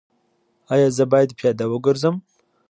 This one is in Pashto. ایا زه باید پیاده وګرځم؟